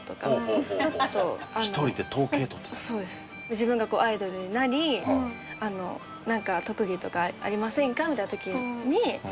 自分がアイドルになりなんか特技とかありませんかみたいな時に。